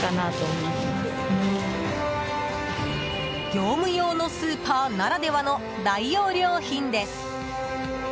業務用のスーパーならではの大容量品です。